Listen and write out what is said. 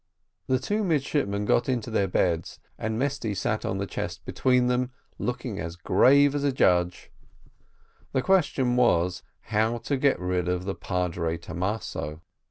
The two midshipmen got into their beds, and Mesty sat on the chest between them, looking as grave as a judge. The question was, how to get rid of the padre Thomaso.